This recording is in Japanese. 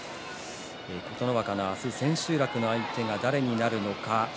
琴ノ若の明日千秋楽の相手が誰になるのか